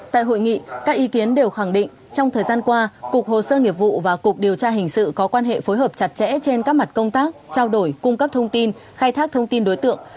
tại hội nghị các ý kiến đều khẳng định trong thời gian qua cục hồ sơ nghiệp vụ và cục điều tra hình sự có quan hệ phối hợp chặt chẽ trên các mặt công tác trao đổi cung cấp thông tin khai thác thông tin đối tượng